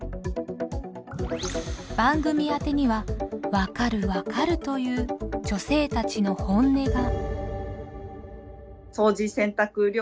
番組宛てには「分かる分かる」という女性たちの本音が。